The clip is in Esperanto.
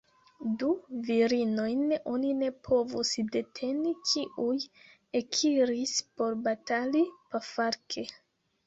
Du virinojn oni ne povus deteni, kiuj ekiris por batali pafarke.